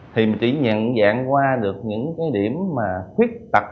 thì chỉ nhận dạng qua được những điểm khuyết tật